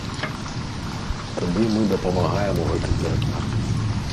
Тады мы дапамагаем у гэтым перакладзе.